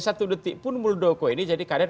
satu detik pun muldoko ini jadi kader